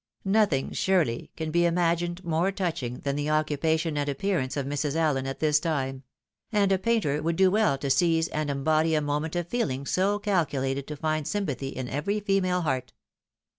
Nothing, surely, can be imagined more touching than the occupation and appearance of Mrs. AUen at this time ; and a painter would do well to seize and embody a moment of feeling so calculated to find sympathy in every female heart.